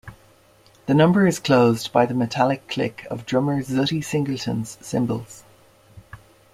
The number is closed by the metallic click of drummer Zutty Singleton's cymbals.